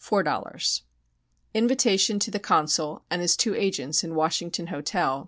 $ 4.00 Invitation to the Consul and his two agents in Washington hotel